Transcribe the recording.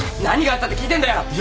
何があったって聞いてんだよ。